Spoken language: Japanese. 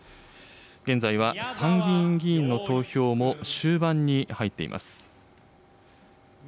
現在は参議院議員の投票も終盤に入っています。